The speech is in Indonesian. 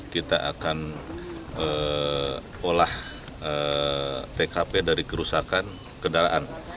kita akan olah tkp dari kerusakan kendaraan